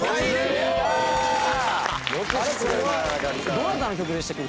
どなたの曲でしたっけ？